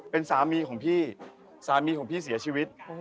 เป็นสามีของพี่สามีของพี่เสียชีวิต